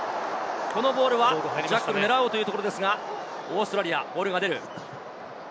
このボールはジャッカルを狙うというところ、オーストラリア、ボールが出る。